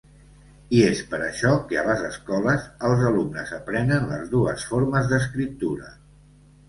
I és per això que a les escoles els alumnes aprenen les dues formes d'escriptura.